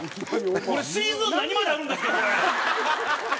シーズン何まであるんですかこれ！